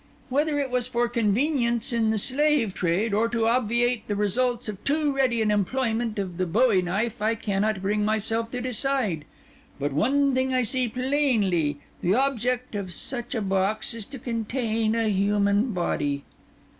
Whether it was for convenience in the slave trade, or to obviate the results of too ready an employment of the bowie knife, I cannot bring myself to decide. But one thing I see plainly—the object of such a box is to contain a human body.